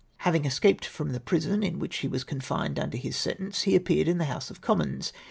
Having escaped from the prison in which he was confined under his sentence, he appeared in the House of Commons.